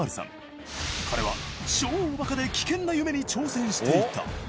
彼は超おバカで危険な夢に挑戦していた。